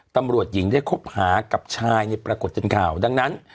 ตำรวจหญิงได้คบหากับชายในปรากฏเป็นข่าวดังนั้น